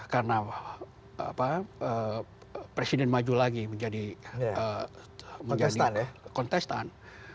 karena presiden maju lagi menjadi kontestan